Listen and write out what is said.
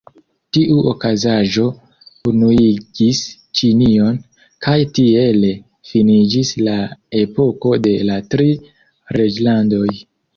Tiu okazaĵo unuigis Ĉinion, kaj tiele finiĝis la epoko de la Tri Reĝlandoj.